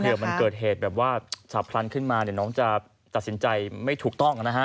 เดี๋ยวมันเกิดเหตุแบบว่าฉับพลันขึ้นมาเนี่ยน้องจะตัดสินใจไม่ถูกต้องนะฮะ